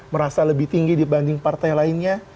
merasa lebih tinggi dibanding partai lainnya